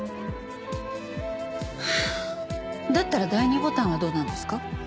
はあだったら第２ボタンはどうなんですか？